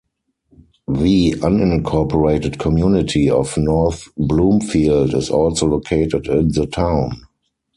The unincorporated community of North Bloomfield is also located in the town.